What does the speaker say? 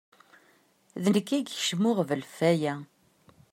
D nekk i yekcem uɣbel f aya.